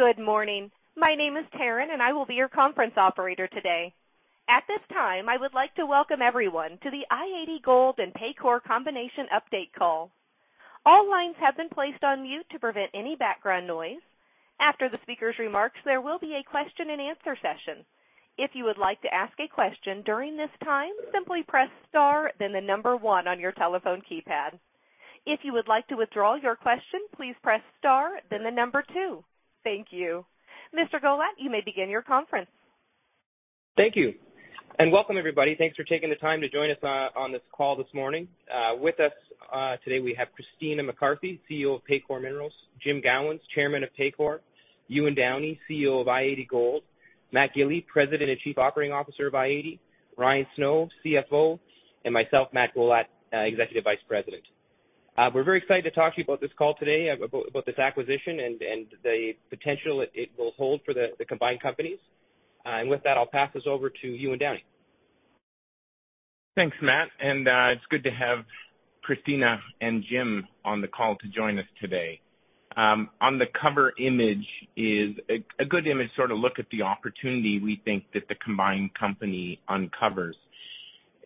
Good morning. My name is Taryn, and I will be your conference operator today. At this time, I would like to welcome everyone to the i-80 Gold and Paycore combination update call. All lines have been placed on mute to prevent any background noise. After the speaker's remarks, there will be a question and answer session. If you would like to ask a question during this time, simply press star, then the one on your telephone keypad. If you would like to withdraw your question, please press star, then the two. Thank you. Mr. Gollat, you may begin your conference. Thank you. Welcome, everybody. Thanks for taking the time to join us on this call this morning. With us today we have Christina McCarthy, CEO of Paycore Minerals Inc., James Gowans, Chairman of Paycore Minerals Inc., Ewan Downie, CEO of i-80 Gold Corp., Matthew Gili, President and Chief Operating Officer of i-80 Gold Corp., Ryan Snow, CFO, and myself, Matthew Gollat, Executive Vice-President. We're very excited to talk to you about this call today, about this acquisition and the potential it will hold for the combined companies. With that, I'll pass this over to Ewan Downie. Thanks, Matt, it's good to have Christina and Jim on the call to join us today. On the cover image is a good image, sort of look at the opportunity we think that the combined company uncovers.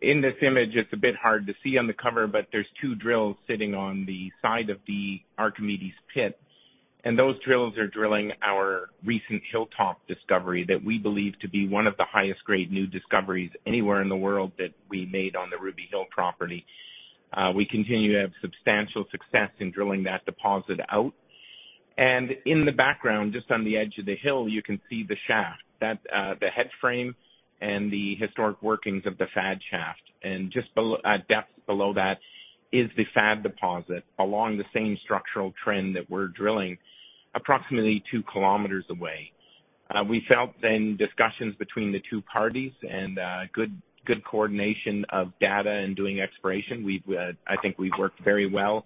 In this image, it's a bit hard to see on the cover, but there's two drills sitting on the side of the Archimedes pit, and those drills are drilling our recent hilltop discovery that we believe to be one of the highest grade new discoveries anywhere in the world that we made on the Ruby Hill property. We continue to have substantial success in drilling that deposit out. In the background, just on the edge of the hill, you can see the shaft. That's the headframe and the historic workings of the FAD shaft. Just below depth below that is the FAD deposit along the same structural trend that we're drilling approximately two kms away. We felt then discussions between the two parties and good coordination of data and doing exploration. We've, I think we've worked very well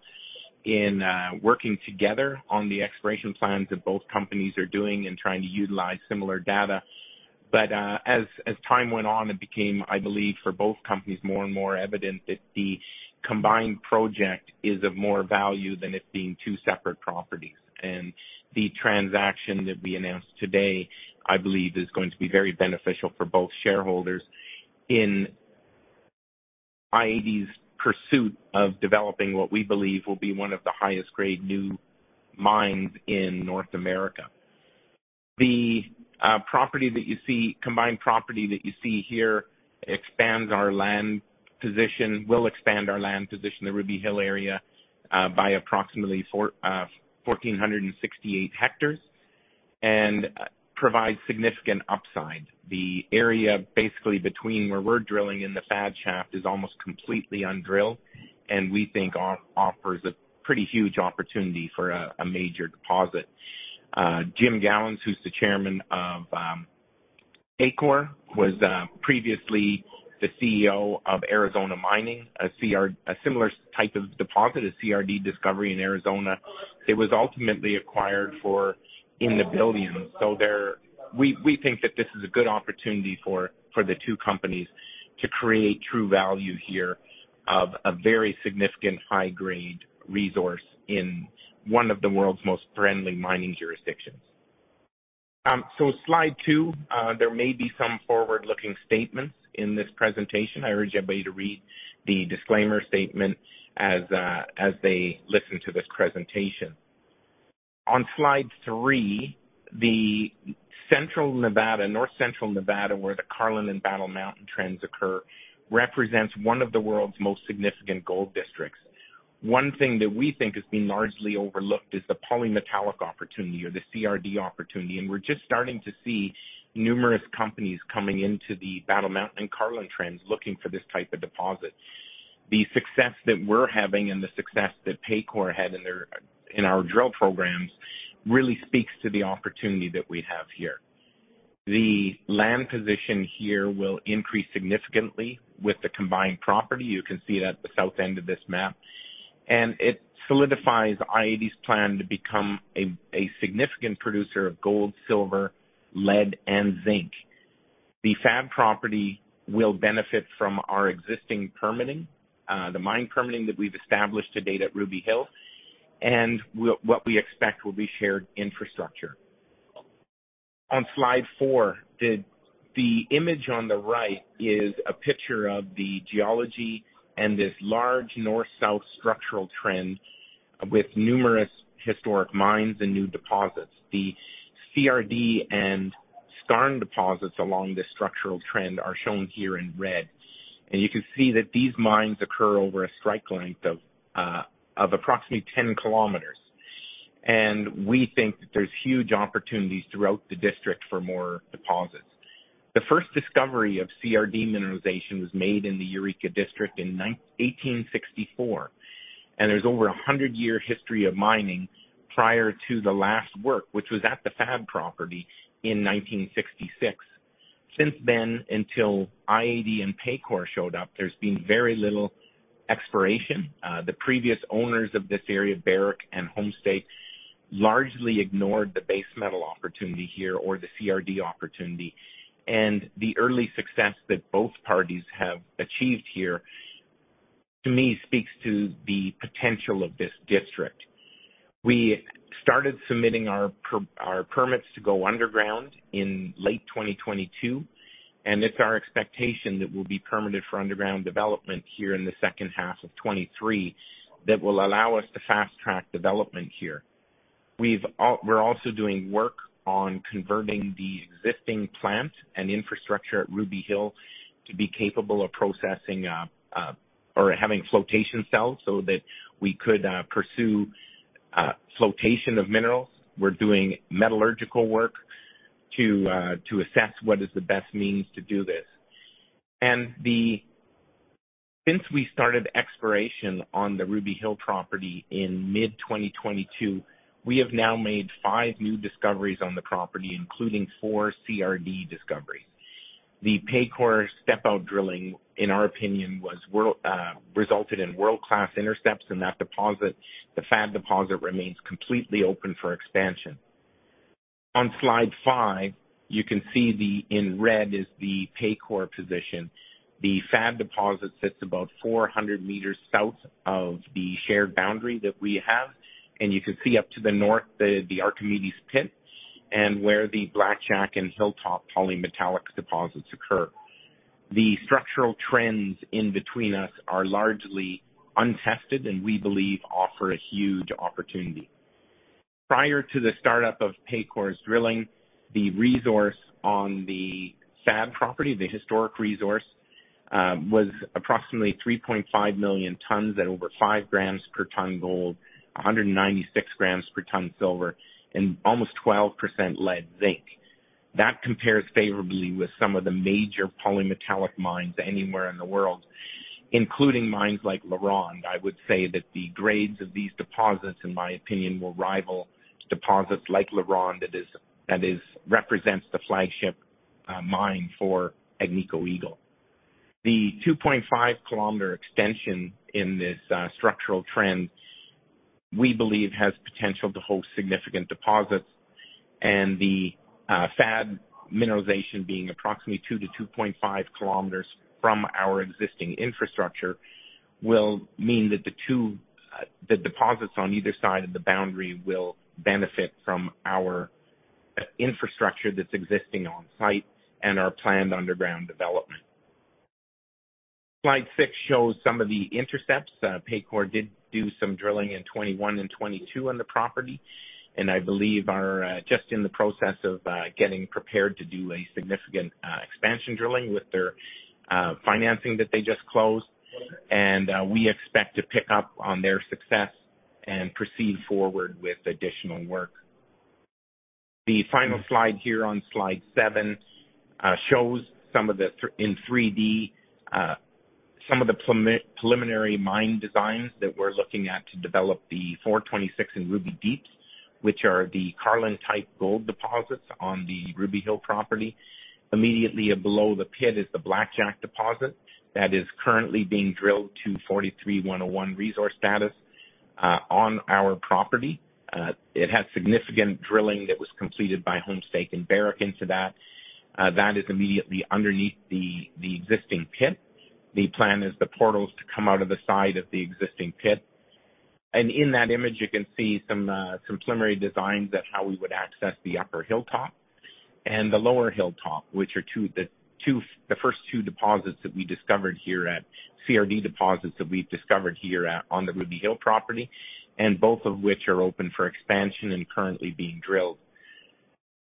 in working together on the exploration plans that both companies are doing and trying to utilize similar data. As time went on, it became, I believe, for both companies, more and more evident that the combined project is of more value than it being two separate properties. The transaction that we announced today, I believe, is going to be very beneficial for both shareholders in i-80's pursuit of developing what we believe will be one of the highest grade new mines in North America. The property that you see, combined property that you see here expands our land position, will expand our land position, the Ruby Hill area, by approximately 1,468 ha and provides significant upside. The area basically between where we're drilling and the FAD shaft is almost completely undrilled, and we think offers a pretty huge opportunity for a major deposit. Jim Gowans, who's the chairman of Paycore, was previously the CEO of Arizona Mining, a similar type of deposit, a CRD discovery in Arizona. It was ultimately acquired for, in the billions. There, we think that this is a good opportunity for the two companies to create true value here of a very significant high grade resource in one of the world's most friendly mining jurisdictions. Slide two, there may be some forward-looking statements in this presentation. I urge everybody to read the disclaimer statement as they listen to this presentation. On slide three, the central Nevada, north central Nevada, where the Carlin and Battle Mountain Trends occur, represents one of the world's most significant gold districts. One thing that we think is being largely overlooked is the polymetallic opportunity or the CRD opportunity. We're just starting to see numerous companies coming into the Battle Mountain Carlin Trends looking for this type of deposit. The success that we're having and the success that Paycore had in our drill prog really speaks to the opportunity that we have here. The land position here will increase significantly with the combined property. You can see it at the south end of this map, and it solidifies i-80's plan to become a significant producer of gold, silver, lead and zinc. The FAD property will benefit from our existing permitting, the mine permitting that we've established to date at Ruby Hill, and what we expect will be shared infrastructure. On slide 4, the image on the right is a picture of the geology and this large north-south structural trend with numerous historic mines and new deposits. The CRD and skarn deposits along this structural trend are shown here in red. You can see that these mines occur over a strike length of approximately 10 kms. We think that there's huge opportunities throughout the district for more deposits. The first discovery of CRD mineralization was made in the Eureka District in 1864. There's over a 100-year history of mining prior to the last work, which was at the FAD Property in 1966. Since then, until i-80 and Paycore showed up, there's been very little exploration. The previous owners of this area, Barrick and Homestake, largely ignored the base metal opportunity here or the CRD opportunity. The early success that both parties have achieved here. To me, speaks to the potential of this district. We started submitting our permits to go underground in late 2022, and it's our expectation that we'll be permitted for underground development here in the second half of 2023 that will allow us to fast-track development here. We're also doing work on converting the existing plant and infrastructure at Ruby Hill to be capable of processing, or having flotation cells so that we could pursue flotation of minerals. We're doing metallurgical work to assess what is the best means to do this. Since we started exploration on the Ruby Hill property in mid-2022, we have now made five new discoveries on the property, including four CRD discoveries. The Paycore step-out drilling, in our opinion, resulted in world-class intercepts in that deposit. The FAD deposit remains completely open for expansion. On slide five, you can see the, in red is the Paycore position. The FAD deposit sits about 400 meters south of the shared boundary that we have. You can see up to the north, the Archimedes pit and where the Blackjack and Hilltop polymetallic deposits occur. The structural trends in between us are largely untested and we believe offer a huge opportunity. Prior to the start-up of Paycore's drilling, the resource on the FAD property, the historic resource, was approximately 3.5 million tons at over 5 g per ton gold, 196 g per ton silver, and almost 12% lead zinc. That compares favorably with some of the major polymetallic mines anywhere in the world, including mines like LaRonde. I would say that the grades of these deposits, in my opinion, will rival deposits like LaRonde that represents the flagship mine for Agnico Eagle. The 2.5-km extension in this structural trend, we believe, has potential to hold significant deposits. The FAD mineralization being approximately 2 kms-2.5 kms from our existing infrastructure will mean that the two deposits on either side of the boundary will benefit from our infrastructure that's existing on-site and our planned underground development. Slide six shows some of the intercepts. Paycore did do some drilling in 2021 and 2022 on the property, and I believe are just in the process of getting prepared to do a significant expansion drilling with their financing that they just closed. We expect to pick up on their success and proceed forward with additional work. The final slide here on slide seven, shows some of the in 3-D, some of the preliminary mine designs that we're looking at to develop the 426 and Ruby Deeps, which are the Carlin-type gold deposits on the Ruby Hill property. Immediately below the pit is the Blackjack deposit that is currently being drilled to NI 43-101 resource status on our property. It has significant drilling that was completed by Homestake and Barrick into that. That is immediately underneath the existing pit. The plan is the portals to come out of the side of the existing pit. In that image, you can see some preliminary designs of how we would access the upper hilltop and the lower hilltop, which are the first two deposits that we discovered here at CRD deposits that we've discovered here on the Ruby Hill property, both of which are open for expansion and currently being drilled.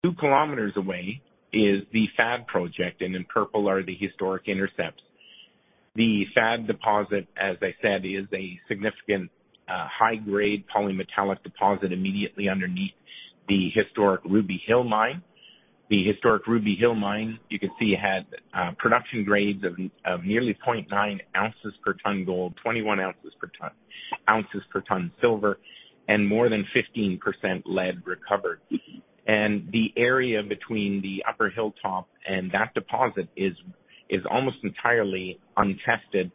2 kms away is the FAD Project. In purple are the historic intercepts. The FAD deposit, as I said, is a significant high-grade polymetallic deposit immediately underneath the historic Ruby Hill mine. The historic Ruby Hill mine, you can see, had production grades of nearly 0.9 oz per ton gold, 21 oz per ton silver, and more than 15% lead recovered. The area between the upper Hilltop and that deposit is almost entirely untested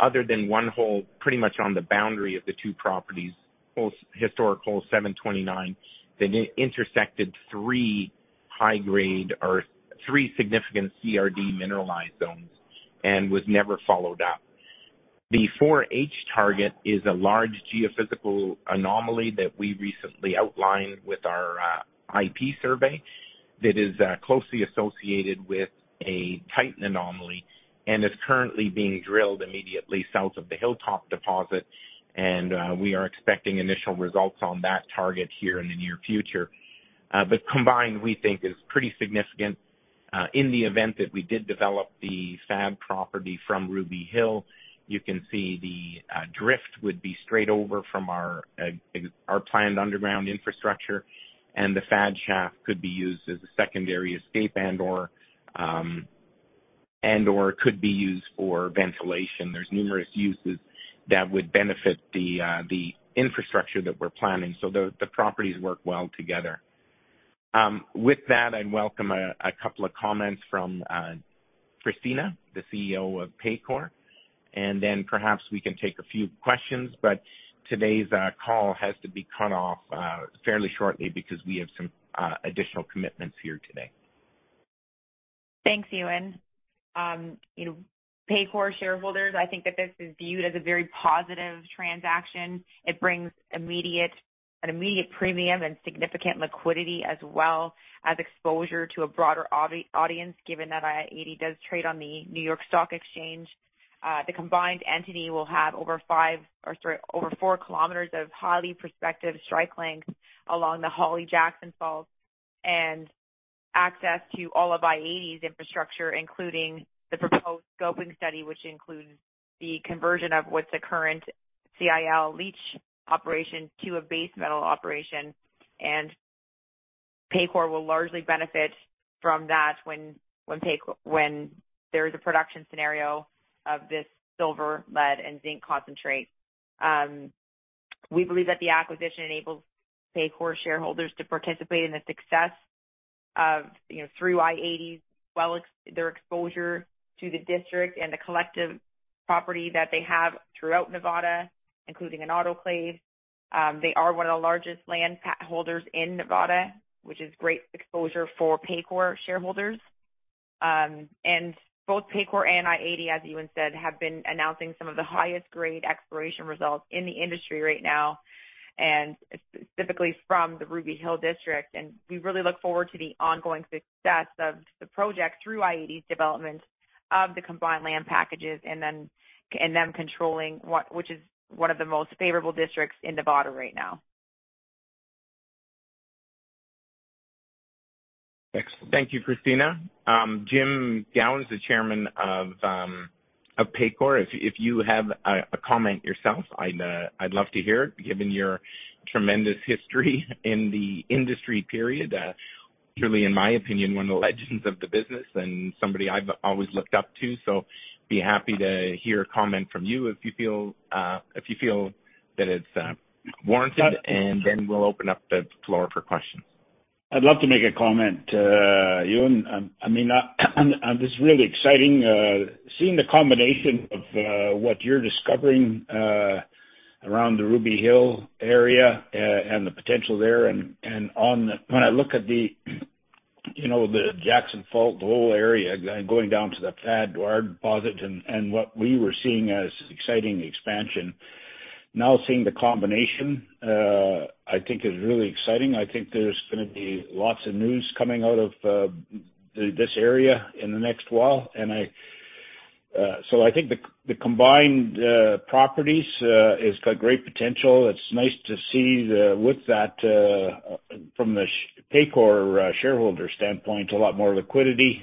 other than one hole pretty much on the boundary of the two properties. Historic hole 729, that intersected three high-grade, or three significant CRD mineralized zones and was never followed up. The Four H target is a large geophysical anomaly that we recently outlined with our IP survey that is closely associated with a Titan anomaly and is currently being drilled immediately south of the Hilltop deposit. We are expecting initial results on that target here in the near future. Combined, we think is pretty significant. In the event that we did develop the FAD Property from Ruby Hill, you can see the drift would be straight over from our planned underground infrastructure, and the FAD shaft could be used as a secondary escape and/or, and/or could be used for ventilation. There's numerous uses that would benefit the infrastructure that we're planning, so the properties work well together. With that, I'd welcome a couple of comments from Christina, the CEO of Paycore, and then perhaps we can take a few questions. Today's call has to be cut off fairly shortly because we have some additional commitments here today. Thanks, Ewan. You know, Paycore shareholders, I think that this is viewed as a very positive transaction. It brings immediate, an immediate premium and significant liquidity, as well as exposure to a broader audience, given that i-80 does trade on the New York Stock Exchange. The combined entity will have over 5 or, sorry, over 4 kms of highly prospective strike length along the Jackson-Holly fault corridor and access to all of i-80's infrastructure, including the proposed scoping study which includes the conversion of what's a current CIL leach operation to a base metal operation. Paycore will largely benefit from that when there is a production scenario of this silver, lead, and zinc concentrate. We believe that the acquisition enables Paycore shareholders to participate in the success of, you know, through i-80's well their exposure to the district and the collective property that they have throughout Nevada, including an autoclave. They are one of the largest landholders in Nevada, which is great exposure for Paycore shareholders. Both Paycore and i-80, as Ewan said, have been announcing some of the highest grade exploration results in the industry right now, and specifically from the Ruby Hill District. We really look forward to the ongoing success of the project through i-80's development of the combined land packages and them controlling one... which is one of the most favorable districts in Nevada right now. Thanks. Thank you, Christina. James Gowans, the chairman of Paycore. If, if you have a comment yourself, I'd love to hear it, given your tremendous history in the industry period. Truly, in my opinion, one of the legends of the business and somebody I've always looked up to. Be happy to hear a comment from you if you feel, if you feel that it's warranted. We'll open up the floor for questions. I'd love to make a comment, Ewan. I mean, this is really exciting, seeing the combination of what you're discovering around the Ruby Hill area and the potential there. When I look at the, you know, the Jackson Fault, the whole area going down to the FAD deposit and what we were seeing as exciting expansion. Now seeing the combination, I think is really exciting. I think there's gonna be lots of news coming out of this area in the next while. So I think the combined properties has got great potential. It's nice to see the, with that, from the Paycore shareholder standpoint, a lot more liquidity,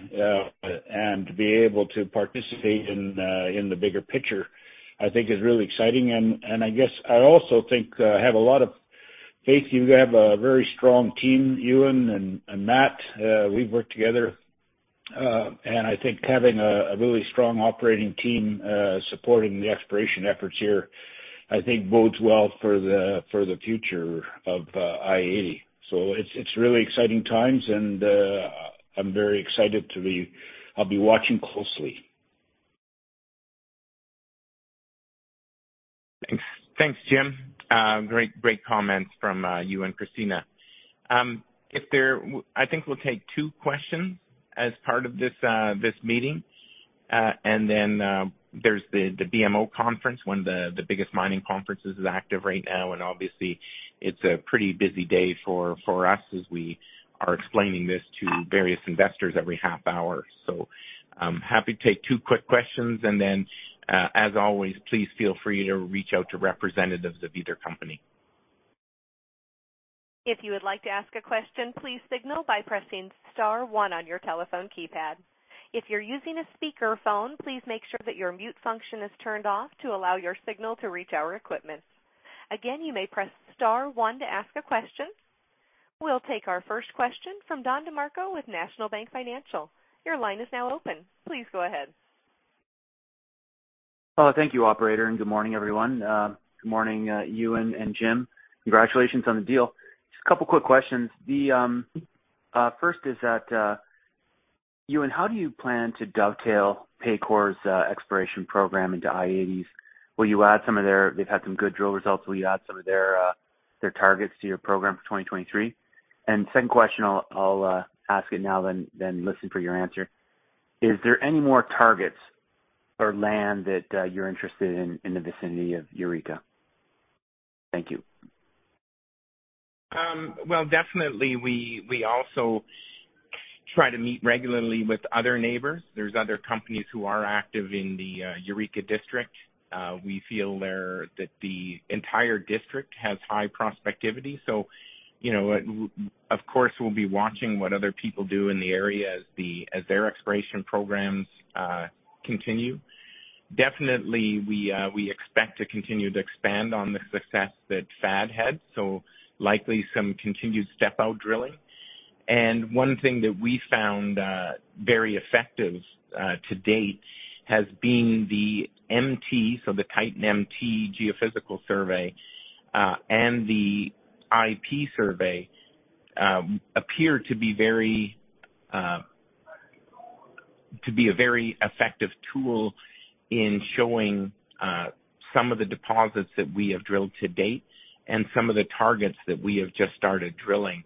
and to be able to participate in the bigger picture, I think is really exciting. I guess I also think have a lot of faith. You have a very strong team, Ewan and Matt, we've worked together. I think having a really strong operating team supporting the exploration efforts here, I think bodes well for the future of i-80. It's really exciting times and I'm very excited. I'll be watching closely. Thanks. Thanks, Jim. Great, great comments from you and Christina. I think we'll take two questions as part of this meeting. There's the BMO conference when the biggest mining conferences is active right now. Obviously, it's a pretty busy day for us as we are explaining this to various investors every half hour. I'm happy to take two quick questions. As always, please feel free to reach out to representatives of either company. If you would like to ask a question, please signal by pressing star one on your telephone keypad. If you're using a speakerphone, please make sure that your mute function is turned off to allow your signal to reach our equipment. Again, you may press star one to ask a question. We'll take our first question from Don DeMarco with National Bank Financial. Your line is now open. Please go ahead. Thank you, operator, and good morning, everyone. Good morning, Ewan and Jim. Congratulations on the deal. Just a couple of quick questions. First is that, Ewan, how do you plan to dovetail Paycore's exploration program into i-80's? They've had some good drill results. Will you add some of their targets to your program for 2023? Second question, I'll ask it now than listen for your answer. Is there any more targets or land that you're interested in the vicinity of Eureka? Thank you. Well, definitely, we also try to meet regularly with other neighbors. There's other companies who are active in the Eureka District. We feel there that the entire district has high prospectivity. You know, of course, we'll be watching what other people do in the area as their exploration prog continue. Definitely, we expect to continue to expand on the success that FAD had, likely some continued step-out drilling. One thing that we found very effective to date has been the MT, the Titan MT geophysical survey, and the IP survey appear to be very effective tool in showing some of the deposits that we have drilled to date and some of the targets that we have just started drilling.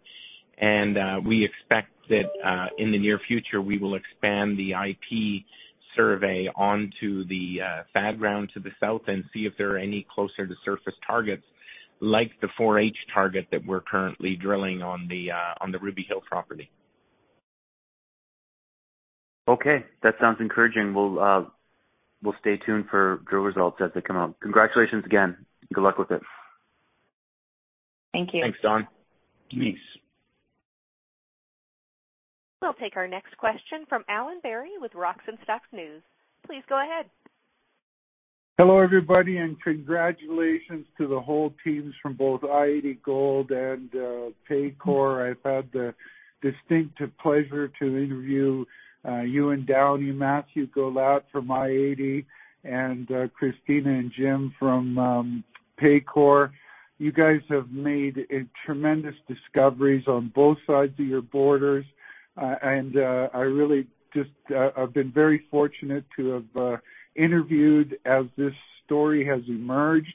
We expect that in the near future, we will expand the IP survey onto the FAD ground to the south and see if there are any closer to surface targets like the Four H target that we're currently drilling on the Ruby Hill property. Okay, that sounds encouraging. We'll stay tuned for drill results as they come out. Congratulations again. Good luck with it. Thank you. Thanks, Don. Nice. We'll take our next question from Alan Berry with Rocks and Stock News. Please go ahead. Hello, everybody, and congratulations to the whole teams from both i-80 Gold and Paycore. I've had the distinctive pleasure to interview Ewan Downie, Matthew Gollat from i-80 and Christina and Jim from Paycore. You guys have made a tremendous discoveries on both sides of your borders. I really just I've been very fortunate to have interviewed as this story has emerged,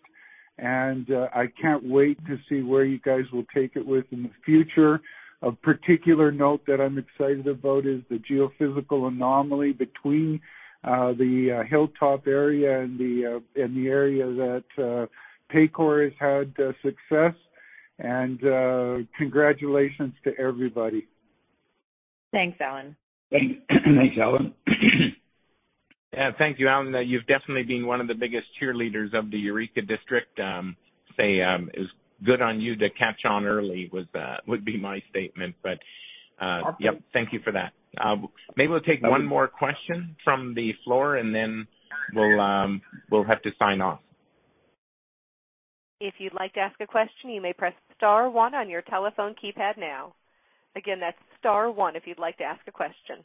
and I can't wait to see where you guys will take it with in the future. Of particular note that I'm excited about is the geophysical anomaly between the hilltop area and the and the area that Paycore has had success. Congratulations to everybody. Thanks, Allan. Thanks. Thanks, Alan. Thank you, Alan. You've definitely been one of the biggest cheerleaders of the Eureka District. It was good on you to catch on early would be my statement. Okay. Yep, thank you for that. Maybe we'll take one more question from the floor, and then we'll have to sign off. If you'd like to ask a question, you may press star one on your telephone keypad now. Again, that's star one, if you'd like to ask a question.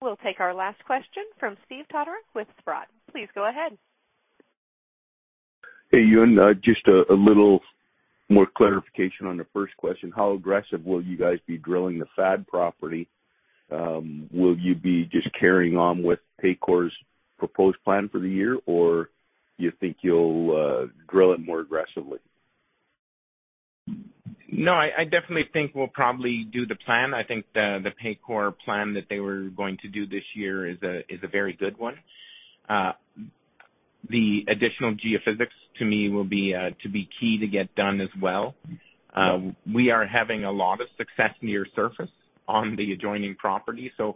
We'll take our last question from Steve Todoruk with Sprott. Please go ahead. Hey, Ewan. just a little more clarification on the first question. How aggressive will you guys be drilling the FAD Property? Will you be just carrying on with Paycore's proposed plan for the year, or you think you'll drill it more aggressively? I definitely think we'll probably do the plan. I think the Paycore plan that they were going to do this year is a very good one. The additional geophysics to me will be key to get done as well. We are having a lot of success near surface on the adjoining property, so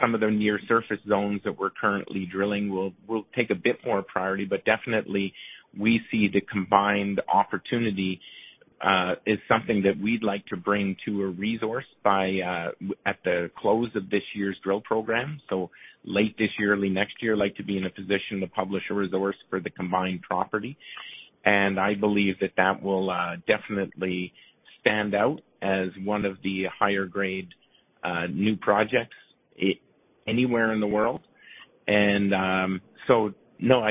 some of the near surface zones that we're currently drilling will take a bit more priority. Definitely we see the combined opportunity as something that we'd like to bring to a resource at the close of this year's drill program. Late this year, early next year, like to be in a position to publish a resource for the combined property. I believe that that will definitely stand out as one of the higher grade new projects anywhere in the world. I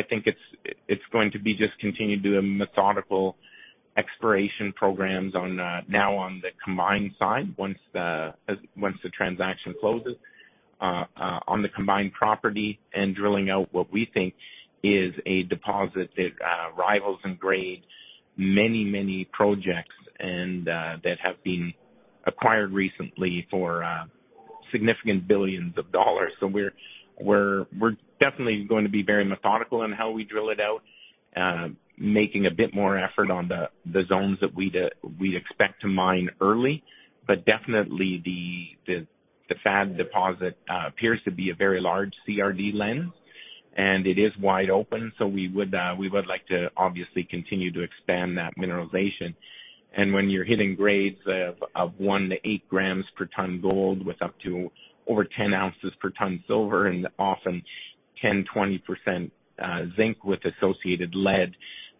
think it's going to be just continue to do a methodical exploration prog on now on the combined side, once the once the transaction closes on the combined property and drilling out what we think is a deposit that rivals in grade many projects and that have been acquired recently for significant billions of dollars. We're definitely going to be very methodical in how we drill it out, making a bit more effort on the zones that we expect to mine early. Definitely the FAD deposit appears to be a very large CRD lens, and it is wide open. We would like to obviously continue to expand that mineralization. When you're hitting grades of 1g-8 g per tonne gold with up to over 10 oz per tonne silver and often 10%, 20% zinc with associated lead,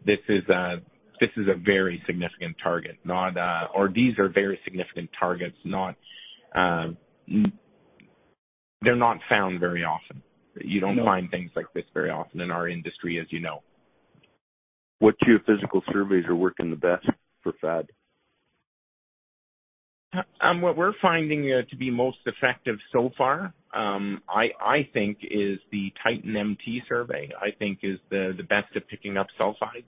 this is a very significant target. These are very significant targets. They're not found very often. You don't find things like this very often in our industry, as you know. What geophysical surveys are working the best for FAD? What we're finding to be most effective so far, I think is the Titan MT survey, I think is the best at picking up sulfides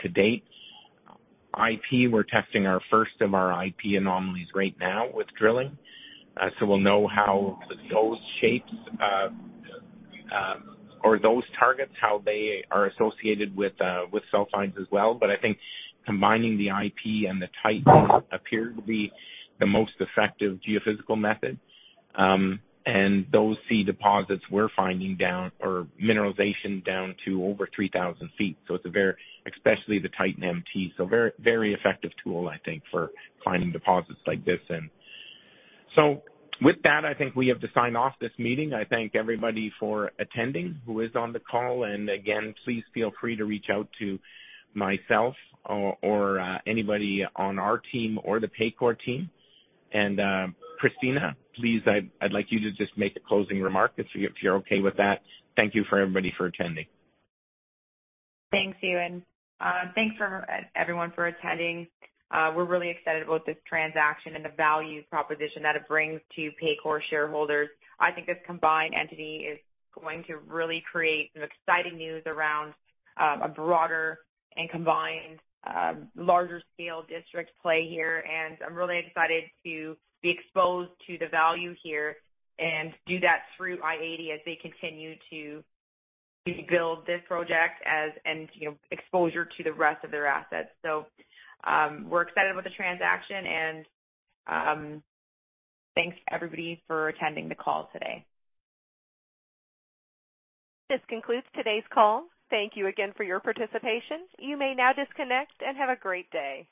to date. IP, we're testing our first of our IP anomalies right now with drilling, so we'll know how those shapes or those targets, how they are associated with sulfides as well. I think combining the IP and the Titan appear to be the most effective geophysical method. Those see deposits we're finding down or mineralization down to over 3,000 ft. It's a very, especially the Titan MT, very effective tool, I think, for finding deposits like this. With that, I think we have to sign off this meeting. I thank everybody for attending who is on the call. Again, please feel free to reach out to myself or, anybody on our team or the Paycore team. Christina, please, I'd like you to just make a closing remark if you're okay with that. Thank you for everybody for attending. Thanks, Ewan. Thanks for everyone for attending. We're really excited about this transaction and the value proposition that it brings to Paycore shareholders. I think this combined entity is going to really create some exciting news around a broader and combined larger scale district play here. I'm really excited to be exposed to the value here and do that through i-80 as they continue to build this project as and, you know, exposure to the rest of their assets. We're excited about the transaction, and thanks everybody for attending the call today. This concludes today's call. Thank you again for your participation. You may now disconnect and have a great day.